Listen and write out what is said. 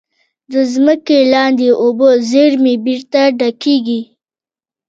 د ځمکې لاندې اوبو زیرمې بېرته ډکېږي.